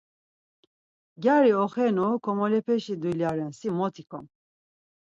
Gyari oxenu komolepeşi dulya ren, si mot ikom.